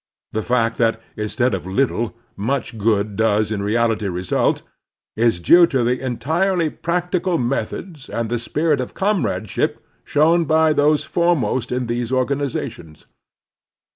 The fact that, instead of little, much good does in reality result, is due to the entirely practical methods and the spirit of comradeship shown by those foremost in these organizations.